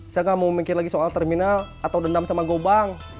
saya nggak mau mikir lagi soal terminal atau dendam sama gobang